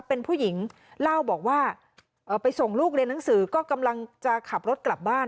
เป็นผู้หญิงเล่าบอกว่าไปส่งลูกเรียนหนังสือก็กำลังจะขับรถกลับบ้าน